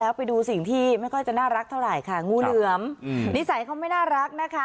แล้วไปดูสิ่งที่ไม่ค่อยจะน่ารักเท่าไหร่ค่ะงูเหลือมนิสัยเขาไม่น่ารักนะคะ